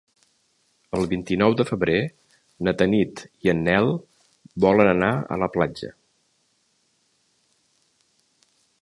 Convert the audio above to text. El vint-i-nou de febrer na Tanit i en Nel volen anar a la platja.